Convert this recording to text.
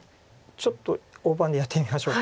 ちょっと大盤でやってみましょうか。